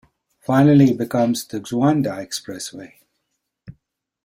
Finally, it becomes the Xuanda Expressway.